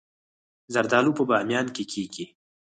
زردالو په بامیان کې کیږي